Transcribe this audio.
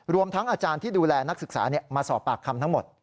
รวมทั้งอาจารย์ที่ดูแลนักศึกษามาสอบปากคำทั้งหมด